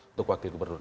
untuk wakil gubernur